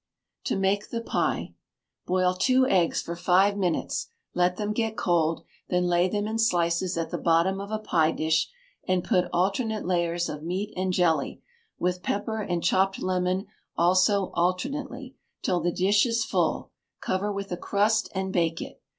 To make the Pie. Boil two eggs for five minutes; let them get cold, then lay them in slices at the bottom of a pie dish, and put alternate layers of meat and jelly, with pepper and chopped lemon also alternately, till the dish is full; cover with a crust and bake it.